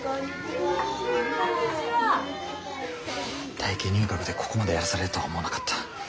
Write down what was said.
体験入学でここまでやらされるとは思わなかった。